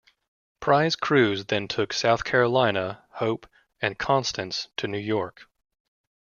Prize crews then took "South Carolina", "Hope" and "Constance" to New York.